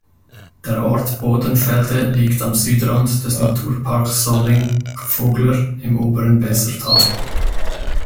Der Ort Bodenfelde liegt am Südrand des Naturparks Solling-Vogler im Oberen Wesertal.